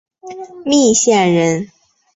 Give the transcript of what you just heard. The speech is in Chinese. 密县人。